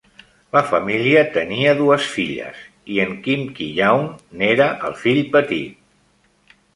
La família tenia dues filles i en Kim Ki-young n'era el fill petit.